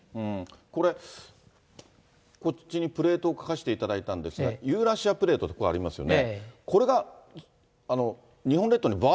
これ、こっちにプレートを描かしていただいたんですが、ユーラシアプレート、こうありますよね。